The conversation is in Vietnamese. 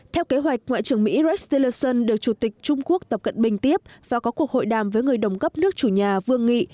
theo kế hoạch ngoại trưởng mỹ rece được chủ tịch trung quốc tập cận bình tiếp và có cuộc hội đàm với người đồng cấp nước chủ nhà vương nghị